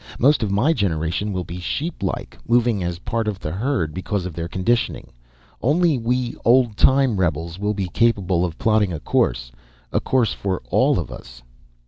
Most of my generation will be sheeplike, moving as part of the herd, because of their conditioning. Only we old time rebels will be capable of plotting a course. A course for all of us."